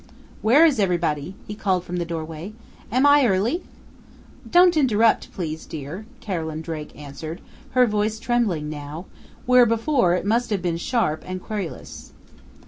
"Where's everybody?" he called from the doorway. "Am I early?" "Don't interrupt, please, dear," Carolyn Drake answered, her voice trembling now, where before it must have been sharp and querulous.